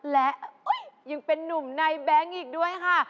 และยังเป็นนุ่มในแบงค์อีกด้วยค่ะ